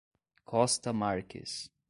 Costa Marques